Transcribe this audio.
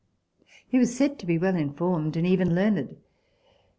He was said to be well informed and even learned.